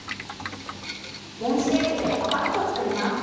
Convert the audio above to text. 電子レンジでパパッと作ります。